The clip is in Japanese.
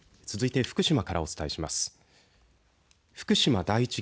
続いて福島からお伝えします。